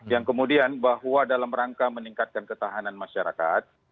yang kemudian bahwa dalam rangka meningkatkan ketahanan masyarakat